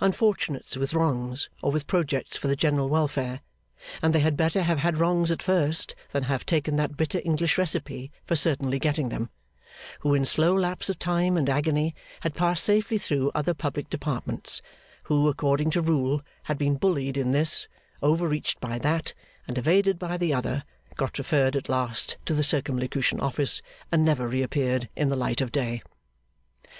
Unfortunates with wrongs, or with projects for the general welfare (and they had better have had wrongs at first, than have taken that bitter English recipe for certainly getting them), who in slow lapse of time and agony had passed safely through other public departments; who, according to rule, had been bullied in this, over reached by that, and evaded by the other; got referred at last to the Circumlocution Office, and never reappeared in the light of day.